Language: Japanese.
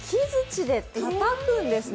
木づちでたたくんですね。